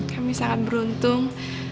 kami sangat beruntung